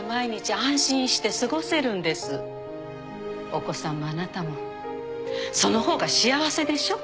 お子さんもあなたもその方が幸せでしょ？